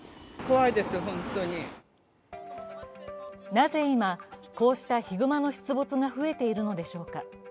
なぜ今、こうしたヒグマの出没が増えているのでしょうか。